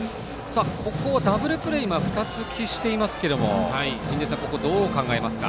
ここダブルプレー２つ喫していますけどここはどう考えますか。